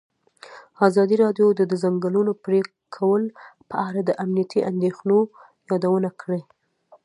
ازادي راډیو د د ځنګلونو پرېکول په اړه د امنیتي اندېښنو یادونه کړې.